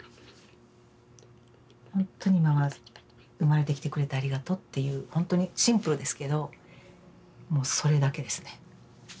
ほんとに今は生まれてきてくれてありがとうっていうほんとにシンプルですけどもうそれだけですね。